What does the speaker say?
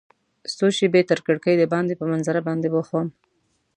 څو شیبې تر کړکۍ دباندې په منظره باندې بوخت وم.